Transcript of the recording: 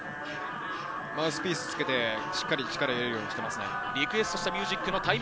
マウスピースをつけて、しっかり力を入れるようにしていますね。